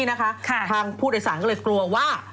นะครับก็รู้ว่า